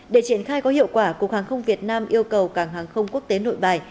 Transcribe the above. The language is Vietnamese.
để triển khai có hiệu quả cục hàng không việt nam yêu cầu cảng hàng không quốc tế nội bài